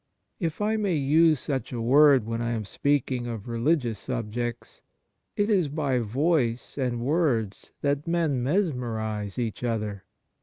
If I may use such a word when I am speak ing of religious subjects, it is by voice and words that men mesmerize each other.